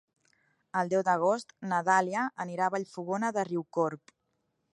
El deu d'agost na Dàlia anirà a Vallfogona de Riucorb.